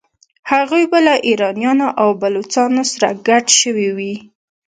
هغوی به له ایرانیانو او بلوڅانو سره ګډ شوي وي.